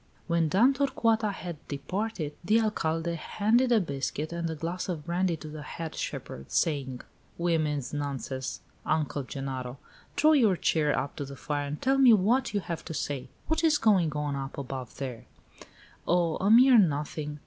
When Dame Torcuata had departed, the Alcalde handed a biscuit and a glass of brandy to the head shepherd, saying: "Women's nonsense, Uncle Genaro! Draw your chair up to the fire and tell me what you have to say. What is going on up above there?" "Oh, a mere nothing!